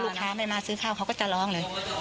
ถ้าเขาเข้ามาซื้อข้าวเขาก็จะล้องเลย